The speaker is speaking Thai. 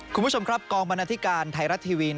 คุณผู้ชมครับกองบรรณาธิการไทยรัฐทีวี